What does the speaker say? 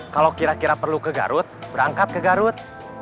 kalau kira kira perlu ke garut berangkat ke garut